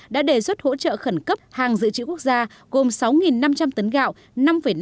đã đề xuất hỗ trợ khẩn cấp hàng giữ trị quốc gia gồm sáu năm trăm linh tấn gạo